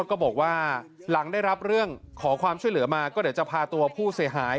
ก็บอกว่าหลังได้รับเรื่องขอความช่วยเหลือมาก็เดี๋ยวจะพาตัวผู้เสียหาย